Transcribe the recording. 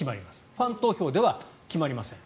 ファン投票では決まりません。